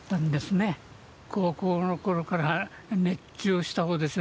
高校の頃から熱中をしたほうですね。